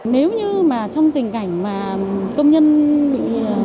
nếu như mà trong tình cảnh mà công nhân bị